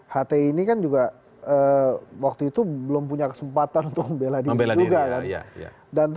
hti ini kan juga waktu itu belum punya kesempatan untuk membela diri juga kan